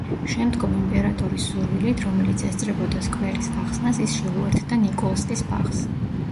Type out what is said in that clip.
შემდგომ იმპერატორის სურვილით, რომელიც ესწრებოდა სკვერის გახსნას, ის შეუერთდა ნიკოლსკის ბაღს.